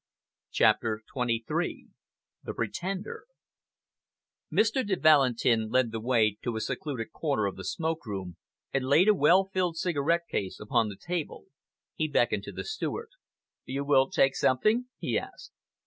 CHAPTER XXIII THE PRETENDER Mr. de Valentin led the way to a secluded corner of the smoke room, and laid a well filled cigarette case upon the table. He beckoned to the steward. "You will take something?" he asked.